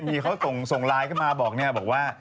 มีเขาส่งไลน์เข้ามาบอกเนี่ยบอกว่า